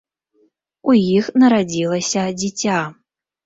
У іх нарадзілася дзіця.